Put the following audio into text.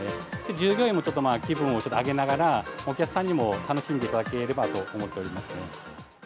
従業員もちょっと気分を上げながら、お客さんにも楽しんでいただければと思っておりますね。